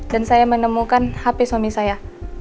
dan saya menemukan hp suami saya